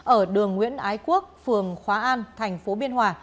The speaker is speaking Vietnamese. ở đường nguyễn ái quốc phường khóa an thành phố biên hòa